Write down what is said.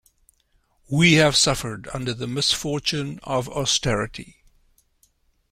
We have suffered under the misfortune of austerity.